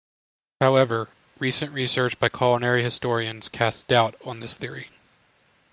However, recent research by culinary historians casts doubt on this theory.